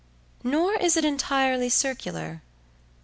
Nor is it entirely circular.